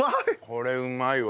これうまいわ。